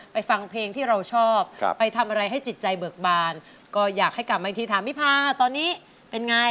ฟังเพลงที่เราชอบไปทำอะไรให้จิตใจเบิกบานก็อยากให้กลับมาอีกทีถามพี่พาตอนนี้เป็นไง